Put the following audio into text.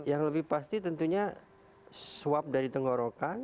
yang lebih pasti tentunya suap dari tenggorokan